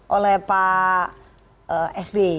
oleh pak sby